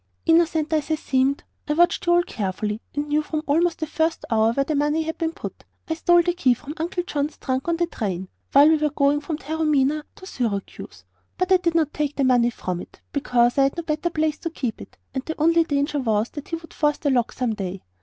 "Innocent as I seemed, I watched you all carefully, and knew from almost the first hour where the money had been put. I stole the key to Uncle John's trunk on the train, while we were going from Taormina to Syracuse; but I did not take the money from it because I had no better place to keep it, and the only danger was that he would force the lock some day.